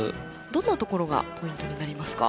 どんなところがポイントになりますか？